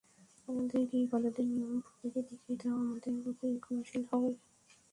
আমাদেরকে ইবাদতের নিয়ম-পদ্ধতি দেখিয়ে দাও এবং আমাদের প্রতি ক্ষমাশীল হও।